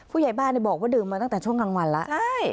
ผู้ใหญ่บ้านบอกว่าดื่มมาตั้งแต่ช่วงกลางวันแล้ว